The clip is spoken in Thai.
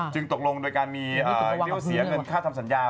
จึงตกลงโดยการมีเหลือเสียเงินค่าทำสัญญา